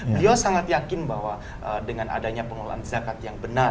beliau sangat yakin bahwa dengan adanya pengelolaan zakat yang benar